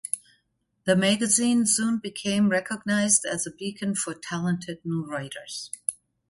The magazine soon became recognized as a beacon for talented new writers.